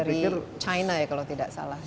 saya pikir ini adalah stepping stone yang luar biasa